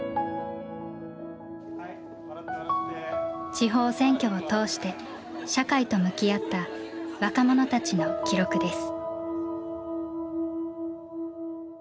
地方選挙を通して社会と向き合った若者たちの記録です。